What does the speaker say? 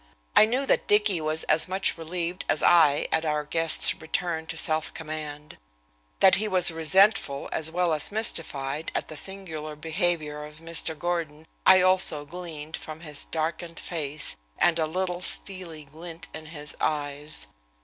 I knew that Dicky was as much relieved as I at our guest's return to self command. That he was resentful as well as mystified at the singular behavior of Mr. Gordon I also gleaned from his darkened face, and a little steely glint in his eyes.